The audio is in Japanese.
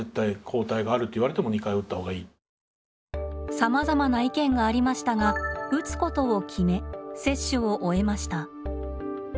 さまざまな意見がありましたが打つことを決め接種を終えました。